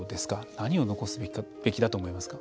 何を残すべきだと思いますか？